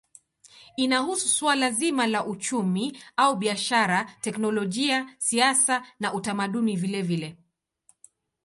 Inahusu suala zima la uchumi au biashara, teknolojia, siasa na utamaduni vilevile.